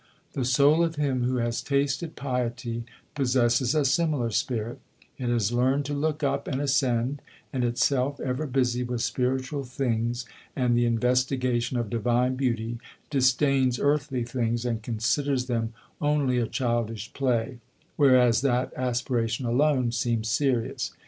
The soul of him who has tasted piety possesses a similar spirit; it has learned to look up and ascend, and itself ever busy with spiritual things and the investigation of Divine beauty, disdains earthly things, and considers them only a childish play, whereas that aspiration alone seems serious.